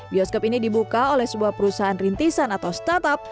bioskop ini dibuka oleh sebuah perusahaan rintisan atau startup